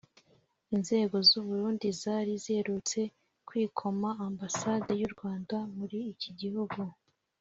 Inzego z’u Burundi zari ziherutse kwikoma Ambasade y’u Rwanda muri iki gihugu